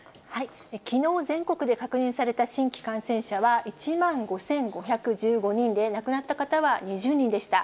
きのう全国で確認された新規感染者は１万５５１５人で、亡くなった方は２０人でした。